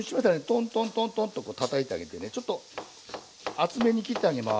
トントントントンとたたいてあげてねちょっと厚めに切ってあげます。